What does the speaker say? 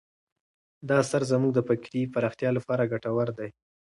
دا اثر زموږ د فکري پراختیا لپاره ډېر ګټور دی.